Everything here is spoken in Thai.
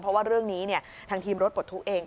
เพราะว่าเรื่องนี้ทางทีมรถปลดทุกข์เอง